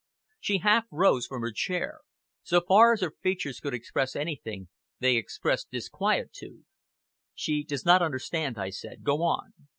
She half rose from her chair. So far as her features could express anything, they expressed disquietude. "She does not understand," I said. "Go on!"